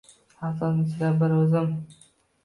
Xazon ichra bir o‘zim